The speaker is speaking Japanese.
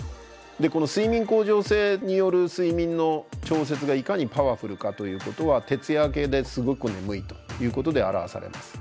この睡眠恒常性による睡眠の調節がいかにパワフルかということは徹夜明けですごく眠いということで表されます。